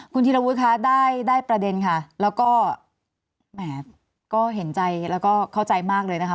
คุณธีรวุฒิคะได้ประเด็นค่ะแล้วก็แหมก็เห็นใจแล้วก็เข้าใจมากเลยนะคะ